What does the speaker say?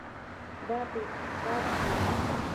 دا په اقتصاد کې ده.